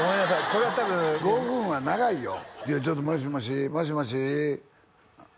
これは多分５分は長いよじゃあちょっと「もしもし？もしもし？」